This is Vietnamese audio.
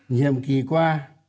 nhiệm kỳ qua